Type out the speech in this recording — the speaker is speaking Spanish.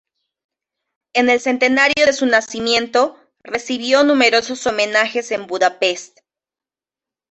En el centenario de su nacimiento, recibió numerosos homenajes en Budapest.